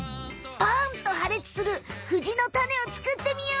パンとはれつするフジのタネを作ってみよう！